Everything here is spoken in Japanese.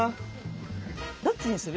どっちにする？